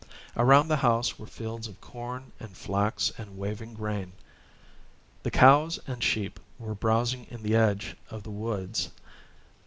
Around the house were fields of corn and flax and waving grain. The cows and sheep were browsing in the edge of the woods. Mrs.